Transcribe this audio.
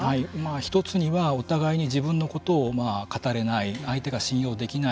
一つにはお互いに自分のことを語れない相手が信用できない